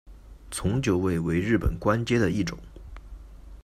从九位为日本官阶的一种。